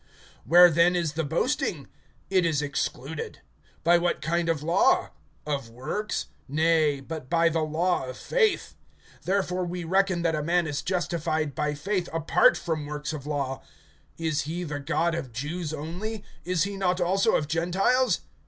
(27)Where then is the boasting? It is excluded. By what kind of law? Of works? Nay; but by the law of faith. (28)Therefore we reckon that a man is justified by faith apart from works of law. Is he the God of Jews only? (29)Is he not also of Gentiles?